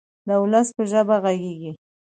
د ولس په ژبه غږیږي.